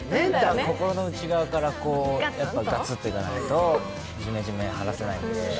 心の内側からガツッといかないとジメジメは晴らせないので。